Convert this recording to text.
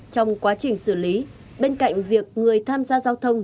trong quá trình xử lý bên cạnh việc người tham gia giao thông